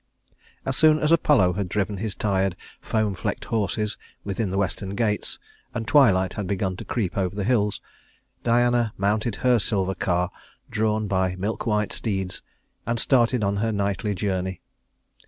As soon as Apollo had driven his tired, foam flecked horses within the western gates, and twilight had begun to creep over the hills, Diana mounted her silver car drawn by milk white steeds, and started on her nightly journey.